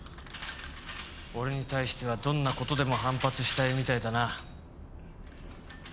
俺に対してはどんなことでも反発したいみたいだな。